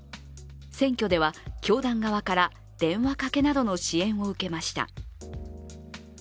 選挙では教団側から電話かけなどの支援を受けました。